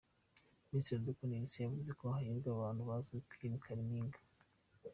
Miss Iradukunda Elsa yavuze ko hahirwa abantu bazi Queen Kalimpinya.